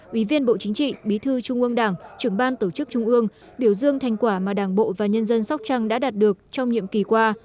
ủy viên bộ chính trị bí thư trung ương đảng trưởng ban tổ chức trung ương biểu dương thành quả mà đảng bộ và nhân dân sóc trăng đã đạt được trong nhiệm kỳ qua